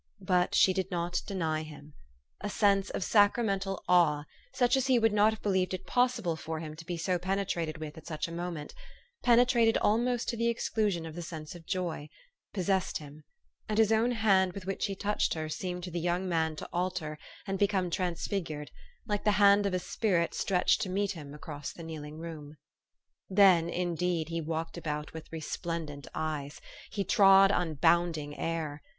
But she did not deny him. A sense of sacramental awe, such as he would not have believed it possible for him to be so penetrated with at such a moment, penetrated almost to the exclusion of the sense of joy, possessed him ; and his own hand with which he touched her seemed to the young man to alter, and become transfigured, like the hand of a spirit stretched to meet him across the kneeling room. Then, indeed, he walked about with resplendent eyes. He trod on bounding air.